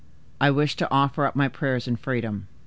I wish to offer up my prayers in freedom."